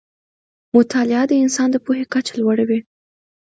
مطالعه د انسان د پوهې کچه لوړه وي